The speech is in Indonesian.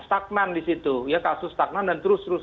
stagnan di situ ya kasus stagnan dan terus terus